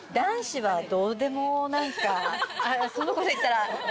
そんなこと言ったら。